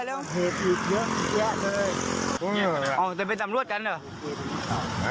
ลีบนี้ครับ